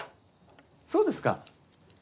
そうですか。